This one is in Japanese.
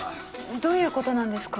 どういうことなんですか？